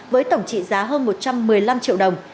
với tổng trị giá hơn một trăm một mươi năm triệu đồng